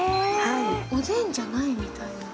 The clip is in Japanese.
おでんじゃないみたい。